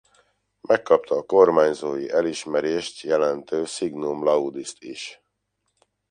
Megkapta a kormányzói elismerést jelentő Signum Laudist is.